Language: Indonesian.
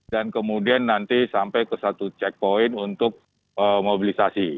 dan kemudian nanti sampai ke satu checkpoint untuk mobilisasi